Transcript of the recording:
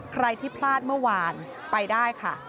ใครที่พลาดเมื่อวานไปได้ค่ะ